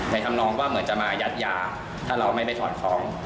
ทำนองว่าเหมือนจะมายัดยาถ้าเราไม่ไปถอนฟ้อง